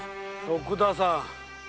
徳田さん